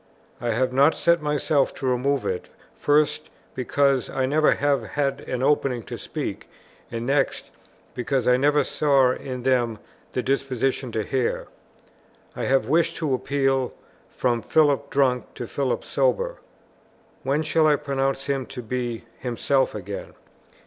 I have not set myself to remove it, first, because I never have had an opening to speak, and, next, because I never saw in them the disposition to hear. I have wished to appeal from Philip drunk to Philip sober. When shall I pronounce him to be himself again?